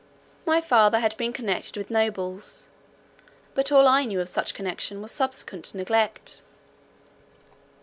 My father had been connected with nobles, but all I knew of such connection was subsequent neglect.